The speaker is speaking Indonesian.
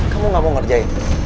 kamu gak mau ngerjain